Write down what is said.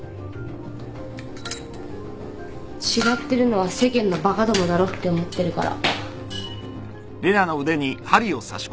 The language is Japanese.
違ってるのは世間のバカどもだろって思ってるから。